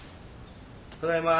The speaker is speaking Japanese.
・ただいまー。